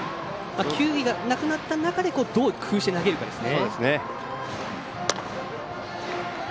球威がなくなった中でどう工夫をして投げるかですね。